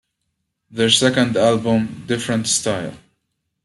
Their second album, Different Style!